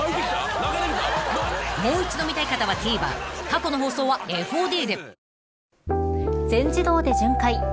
［もう一度見たい方はＴＶｅｒ過去の放送はＦＯＤで］